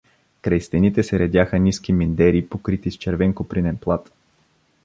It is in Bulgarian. Край стените се редяха ниски миндери, покрити с червен копринен плат.